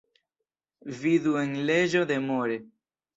Vidu en leĝo de Moore.